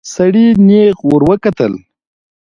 سړي نيغ ورته وکتل.